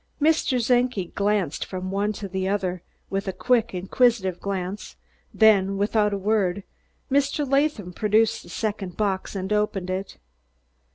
Mr. Czenki glanced from one to the other with quick, inquisitive glance; then, without a word, Mr. Latham produced the second box and opened it.